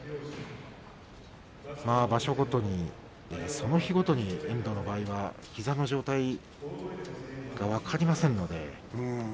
場所ごとにその日ごとに遠藤の場合は膝の状態が分かりませんので。